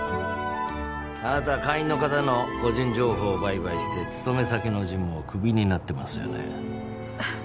あなた会員の方の個人情報を売買して勤め先のジムをクビになってますよね？